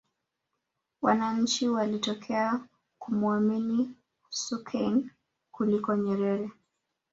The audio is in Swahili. wananchi walitokea kumuamini sokoine kuliko nyerere